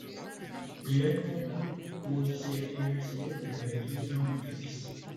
Il est connu pour ses relations avec Jimi Hendrix.